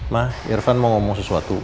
mah irfan mau ngomong sesuatu